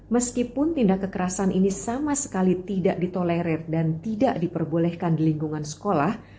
meskipun tindak kekerasan ini sama sekali tidak ditolerir dan tidak diperbolehkan di lingkungan sekolah